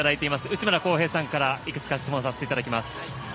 内村航平さんから、いくつか質問させていただきます。